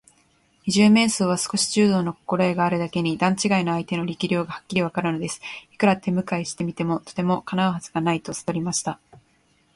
二十面相は少し柔道のこころえがあるだけに、段ちがいの相手の力量がはっきりわかるのです。いくら手むかいしてみても、とてもかなうはずはないとさとりました。